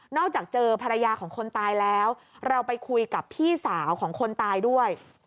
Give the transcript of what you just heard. อกจากเจอภรรยาของคนตายแล้วเราไปคุยกับพี่สาวของคนตายด้วย